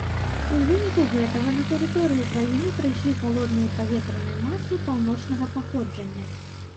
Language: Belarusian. У выніку гэтага на тэрыторыю краіны прыйшлі халодныя паветраныя масы паўночнага паходжання.